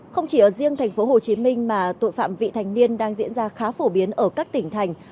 không chỉ ở riêng tp hcm mà tội phạm vị thành niên đang diễn ra khá phổ biến ở các tỉnh thành